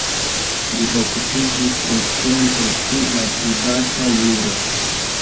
Li okupiĝis ekzemple pri la privata juro.